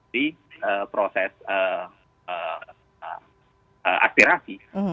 di proses aktirasi